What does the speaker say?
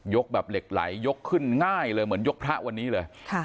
แบบเหล็กไหลยกขึ้นง่ายเลยเหมือนยกพระวันนี้เลย